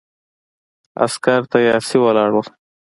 عسکر تیارسي ولاړ ول.